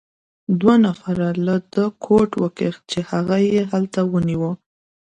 دوو نفر له ده کوټ وکیښ، چې هغه يې هلته ونیو.